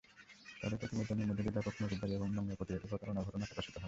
তাঁদের প্রতিবেদনের মধ্য দিয়ে ব্যাপক নজরদারি এবং নোংরা প্রতারণার ঘটনা প্রকাশিত হয়।